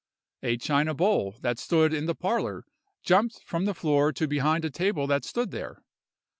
A china bowl that stood in the parlor jumped from the floor to behind a table that stood there.